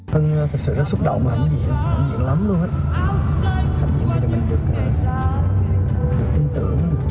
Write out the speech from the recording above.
thật sự rất xúc động mà hãy diễn hãy diễn lắm luôn hết